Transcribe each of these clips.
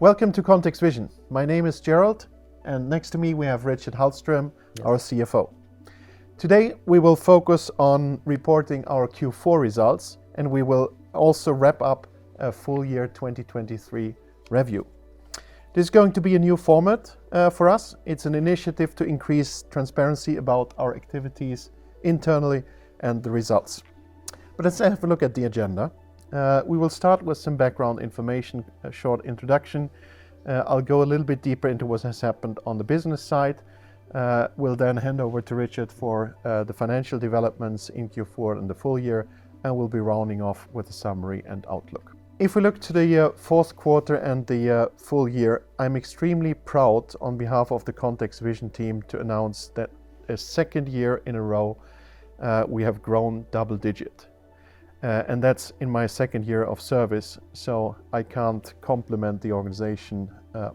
Welcome to ContextVision. My name is Gerald, and next to me we have Richard Hallström, our CFO. Today we will focus on reporting our Q4 results, and we will also wrap up a full-year 2023 review. This is going to be a new format for us. It's an initiative to increase transparency about our activities internally and the results. But let's have a look at the agenda. We will start with some background information, a short introduction. I'll go a little bit deeper into what has happened on the business side. We'll then hand over to Richard for the financial developments in Q4 and the full year, and we'll be rounding off with a summary and outlook. If we look to the Q4 and the full year, I'm extremely proud on behalf of the ContextVision team to announce that a second year in a row we have grown double-digit. That's in my second year of service, so I can't compliment the organization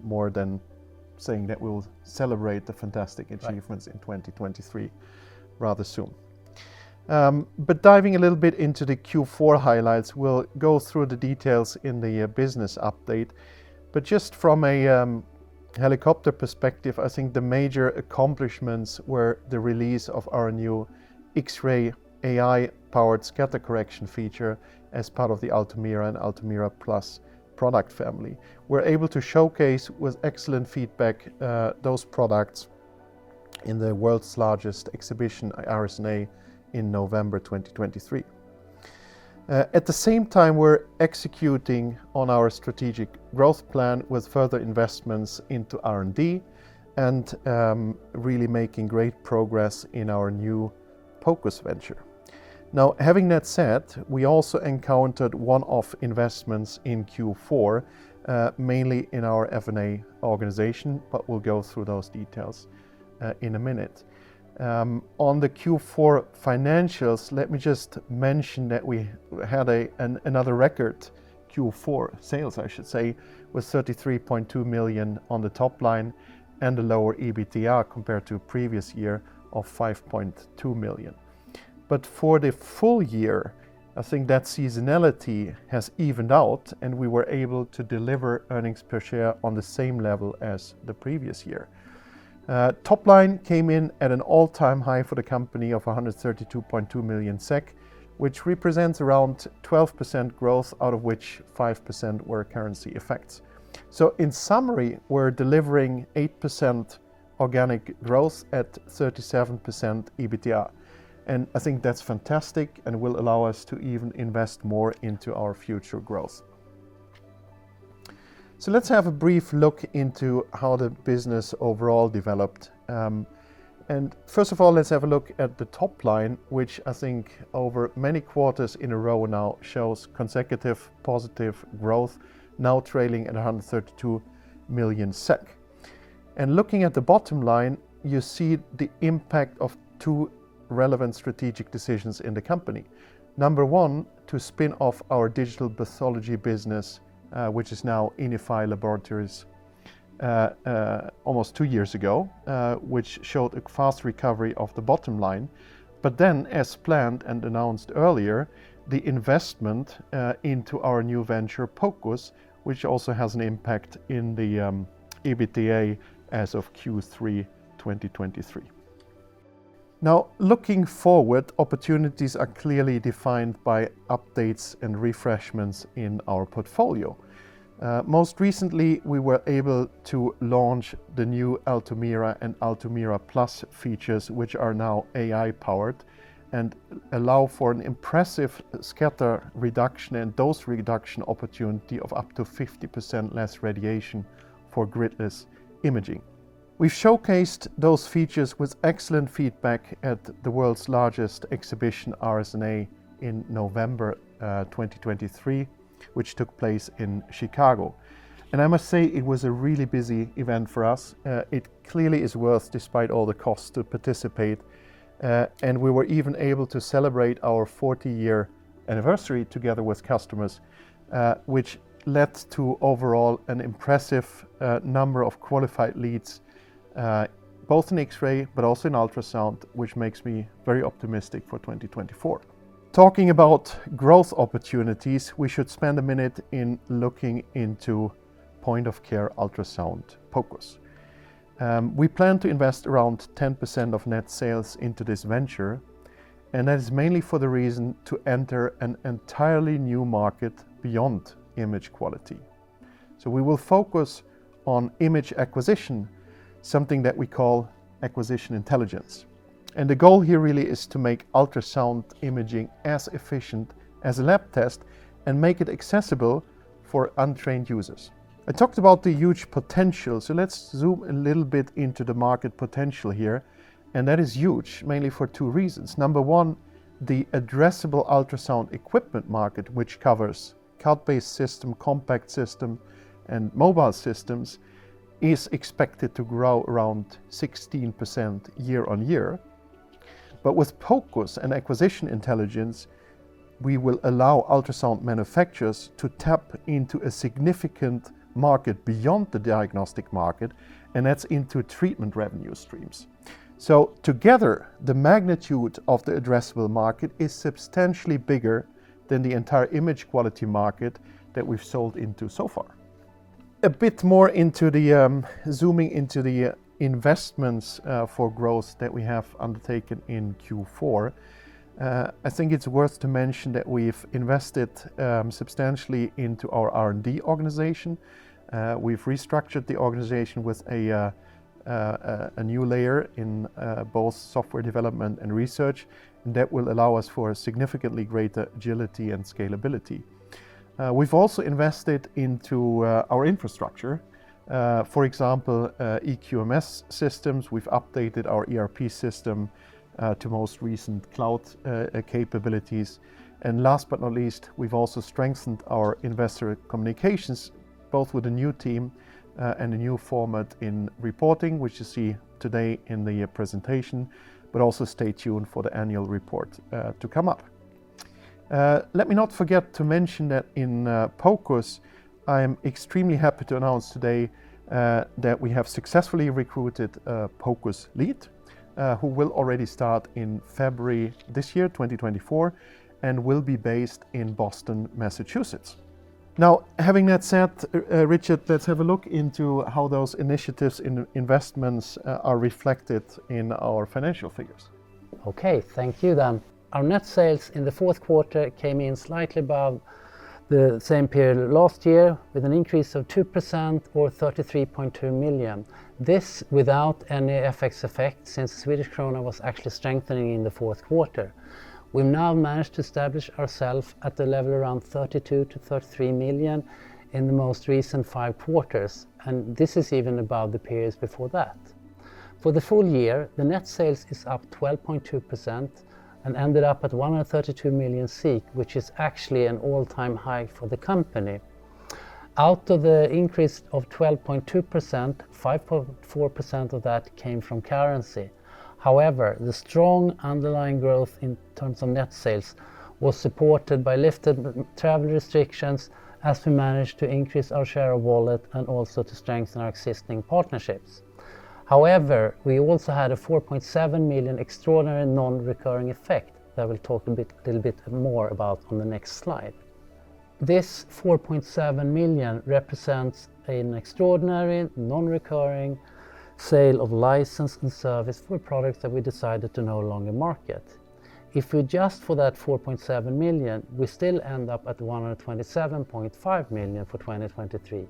more than saying that we will celebrate the fantastic achievements in 2023 rather soon. But diving a little bit into the Q4 highlights, we'll go through the details in the business update. But just from a helicopter perspective, I think the major accomplishments were the release of our new X-ray AI-powered scatter correction feature as part of the Altumira and Altumira Plus product family. We're able to showcase with excellent feedback those products in the world's largest exhibition, RSNA, in November 2023. At the same time, we're executing on our strategic growth plan with further investments into R&D and really making great progress in our new POCUS venture. Now, having that said, we also encountered one-off investments in Q4, mainly in our F&A organization, but we'll go through those details in a minute. On the Q4 financials, let me just mention that we had another record Q4 sales, I should say, with 33.2 million on the top line and a lower EBITDA compared to a previous year of 5.2 million. But for the full year, I think that seasonality has evened out, and we were able to deliver earnings per share on the same level as the previous year. Top line came in at an all-time high for the company of 132.2 million SEK, which represents around 12% growth, out of which 5% were currency effects. So in summary, we're delivering 8% organic growth at 37% EBITDA. And I think that's fantastic and will allow us to even invest more into our future growth. So let's have a brief look into how the business overall developed. First of all, let's have a look at the top line, which I think over many quarters in a row now shows consecutive positive growth, now trailing at 132 million SEK. Looking at the bottom line, you see the impact of two relevant strategic decisions in the company. Number one, to spin off our digital pathology business, which is now Inify Laboratories, almost two years ago, which showed a fast recovery of the bottom line. But then, as planned and announced earlier, the investment into our new venture, POCUS, which also has an impact in the EBITDA as of Q3 2023. Now, looking forward, opportunities are clearly defined by updates and refreshments in our portfolio. Most recently, we were able to launch the new Altumira and Altumira Plus features, which are now AI-powered and allow for an impressive scatter reduction and dose reduction opportunity of up to 50% less radiation for gridless imaging. We've showcased those features with excellent feedback at the world's largest exhibition, RSNA, in November 2023, which took place in Chicago. I must say it was a really busy event for us. It clearly is worth, despite all the costs, to participate. We were even able to celebrate our 40-year anniversary together with customers, which led to overall an impressive number of qualified leads, both in X-ray but also in ultrasound, which makes me very optimistic for 2024. Talking about growth opportunities, we should spend a minute in looking into point-of-care ultrasound, POCUS. We plan to invest around 10% of net sales into this venture, and that is mainly for the reason to enter an entirely new market beyond image quality. So we will focus on image acquisition, something that we call acquisition intelligence. And the goal here really is to make ultrasound imaging as efficient as a lab test and make it accessible for untrained users. I talked about the huge potential, so let's zoom a little bit into the market potential here. And that is huge, mainly for two reasons. Number one, the addressable ultrasound equipment market, which covers cloud-based system, compact system, and mobile systems, is expected to grow around 16% year-over-year. But with POCUS and acquisition intelligence, we will allow ultrasound manufacturers to tap into a significant market beyond the diagnostic market, and that's into treatment revenue streams. Together, the magnitude of the addressable market is substantially bigger than the entire image quality market that we've sold into so far. A bit more into the zooming into the investments for growth that we have undertaken in Q4, I think it's worth to mention that we've invested substantially into our R&D organization. We've restructured the organization with a new layer in both software development and research, and that will allow us for significantly greater agility and scalability. We've also invested into our infrastructure. For example, eQMS systems, we've updated our ERP system to most recent cloud capabilities. Last but not least, we've also strengthened our investor communications, both with a new team and a new format in reporting, which you see today in the presentation. Also stay tuned for the annual report to come up. Let me not forget to mention that in POCUS, I am extremely happy to announce today that we have successfully recruited a POCUS lead who will already start in February this year, 2024, and will be based in Boston, Massachusetts. Now, having that said, Richard, let's have a look into how those initiatives and investments are reflected in our financial figures. Okay, thank you, then. Our net sales in the Q4 came in slightly above the same period last year with an increase of 2% or SEK 33.2 million. This without any FX effect since the Swedish krona was actually strengthening in the Q4. We've now managed to establish ourselves at the level around SEK 32 million-SEK 33 million in the most recent five quarters. This is even above the periods before that. For the full year, the net sales is up 12.2%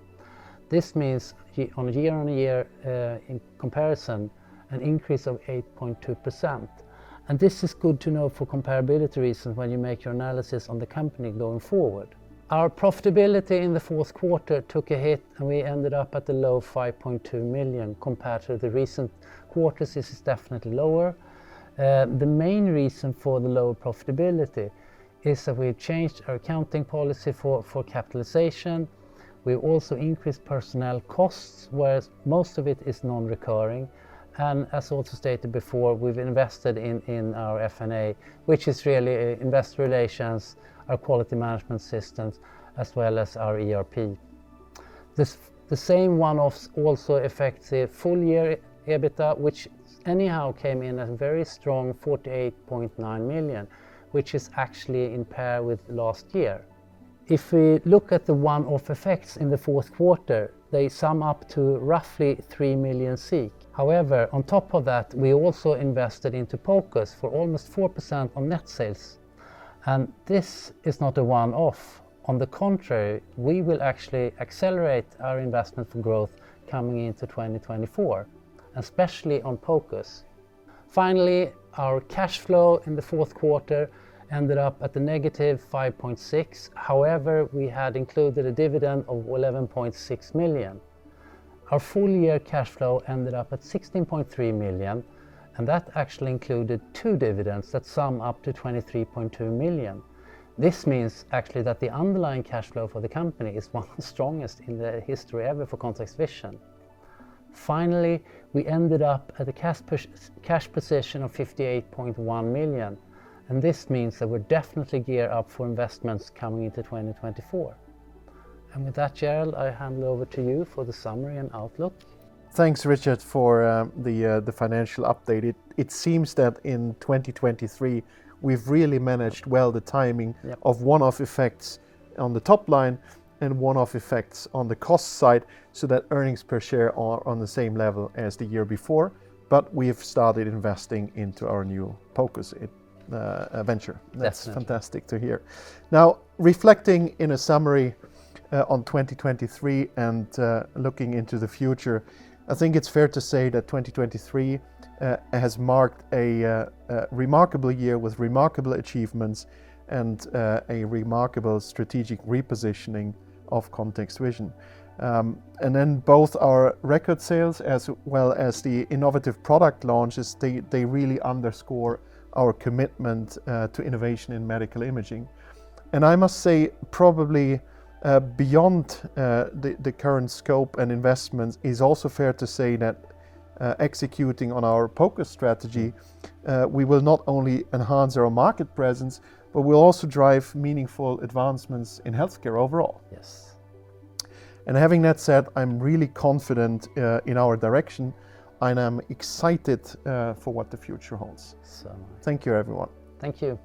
We also increased personnel costs, whereas most of it is non-recurring. As also stated before, we've invested in our F&A, which is really investor relations, our quality management systems, as well as our ERP. The same one-off also affects the full-year EBITDA, which anyhow came in at a very strong SEK 48.9 million, which is actually on par with last year. If we look at the one-off effects in the Q4, they sum up to roughly 3 million. However, on top of that, we also invested into POCUS for almost 4% on net sales. This is not a one-off. On the contrary, we will actually accelerate our investment for growth coming into 2024, especially on POCUS. Finally, our cash flow in the Q4 ended up at -5.6 million. However, we had included a dividend of 11.6 million. Our full-year cash flow ended up at 16.3 million, and that actually included two dividends that sum up to 23.2 million. This means actually that the underlying cash flow for the company is one of the strongest in the history ever for ContextVision. Finally, we ended up at a cash position of 58.1 million. And this means that we're definitely geared up for investments coming into 2024. And with that, Gerald, I hand over to you for the summary and outlook. Thanks, Richard, for the financial update. It seems that in 2023, we've really managed well the timing of one-off effects on the top line and one-off effects on the cost side so that earnings per share are on the same level as the year before. But we've started investing into our new POCUS venture. That's fantastic to hear. Now, reflecting in a summary on 2023 and looking into the future, I think it's fair to say that 2023 has marked a remarkable year with remarkable achievements and a remarkable strategic repositioning of ContextVision. And then both our record sales as well as the innovative product launches, they really underscore our commitment to innovation in medical imaging. I must say, probably beyond the current scope and investments, it is also fair to say that executing on our POCUS strategy, we will not only enhance our market presence, but we'll also drive meaningful advancements in healthcare overall. And having that said, I'm really confident in our direction. I'm excited for what the future holds. Thank you, everyone. Thank you.